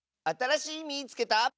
あたらしい「みいつけた！」。